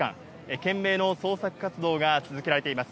懸命の捜索活動が続けられています。